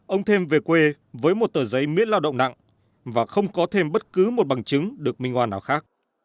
ông thêm về quê với một tờ giấy miễn lao động nặng và không có thêm bất cứ một bằng chứng được minh hoàn nào khác